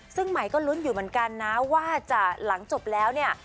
ซึ่งใหม่ก็ลุ้นอยู่เหมือนกันนะว่าจะหลังจบแล้วเนี่ย